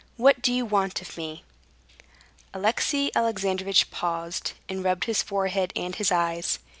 "What do you want of me?" Alexey Alexandrovitch paused, and rubbed his forehead and his eyes.